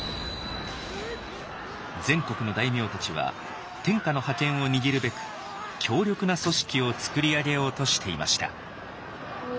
全国の大名たちは天下の覇権を握るべく強力な組織をつくり上げようとしていました。